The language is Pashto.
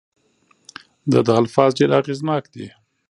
د ده الفاظ ډېر اغیزناک دي.